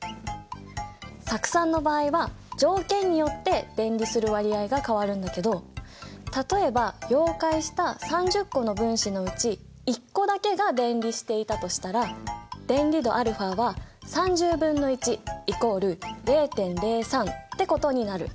酢酸の場合は条件によって電離する割合が変わるんだけど例えば溶解した３０個の分子のうち１個だけが電離していたとしたら電離度αは３０分の１イコール０．０３ってことになる。